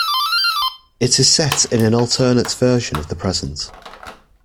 It is set in an alternate version of the present.